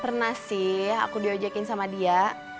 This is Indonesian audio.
pernah sih aku diojekin sama dia